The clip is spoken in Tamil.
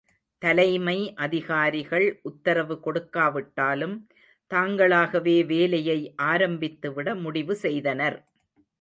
தலைமை அதிகாரிகள் உத்தரவு கொடுக்காவிட்டாலும், தாங்களாகவே வேலையை ஆரம்பித்து விட முடிவுசெய்தனர்.